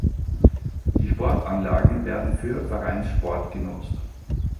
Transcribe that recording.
Die Sportanlagen werden für Vereinssport genutzt.